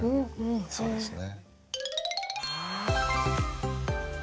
そうですね。